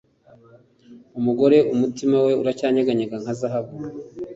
Umugore umutima we uracyanyeganyega nka zahabu